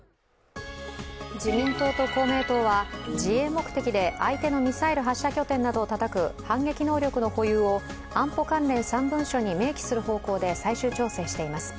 自民党と公明党は自衛目的で相手のミサイル発射拠点などをたたく反撃能力の保有を安保関連３文書に明記する方向で最終調整しています。